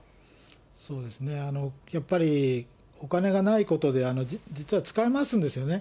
そうですね、やっぱりお金がないことで、実は使い回すんですよね。